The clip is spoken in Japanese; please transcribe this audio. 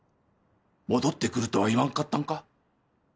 戻ってくるとは言わんかったんか？